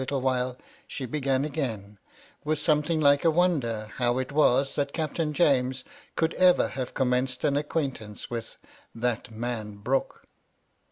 317 little while, she began again, with something like a wonder how it was that Captain James could ever have commenced an acquaintance with " that man Brooke."